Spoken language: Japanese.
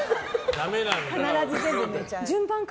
必ず全部むいちゃう。